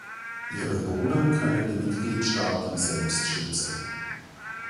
Ihren Boden können die Mitgliedstaaten selbst schützen.